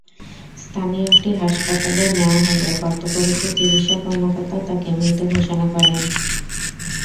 স্থানীয় একটি হাসপাতালে নেওয়া হলে কর্তব্যরত চিকিৎসা কর্মকর্তা তাঁকে মৃত ঘোষণা করেন।